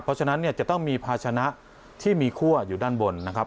เพราะฉะนั้นเนี่ยจะต้องมีภาชนะที่มีคั่วอยู่ด้านบนนะครับ